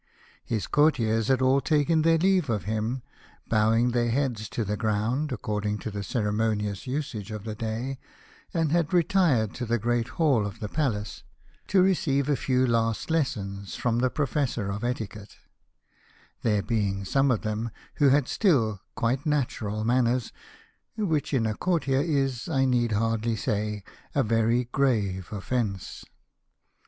His courtiers had all taken their leave of him, bowing their heads to the ground, according to the ceremonious usage of the day, and had retired to the Great Hall of the Palace, to receive a few last lessons from the Professor B i A House of Pomegranates. of Etiquette ; there being some of them who had still quite natural manners, which in a courtier is, I need hardly say, a very grave offence.